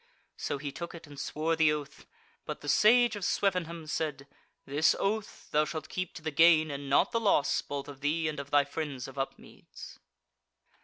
So he took it and swore the oath; but the Sage of Swevenham said: "This oath thou shalt keep to the gain and not the loss both of thee and of thy friends of Upmeads."